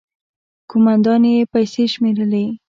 ، کومندان يې پيسې شمېرلې.